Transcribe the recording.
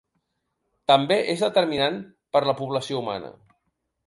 També és determinant per la població humana.